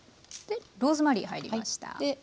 ローズマリー入りました。